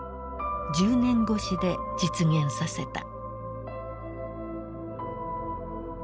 １０年越しで実現させた。